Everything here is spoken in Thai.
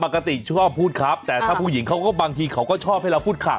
ผมอ่ะปกติชอบพูดครับแต่ถ้าผู้หญิงเค้าก็บางทีเค้าก็ชอบให้เราพูดขา